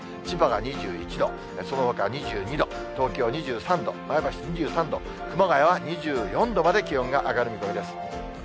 千葉が２１度、そのほか２２度、東京２３度、前橋２３度、熊谷は２４度まで気温が上がる見込みです。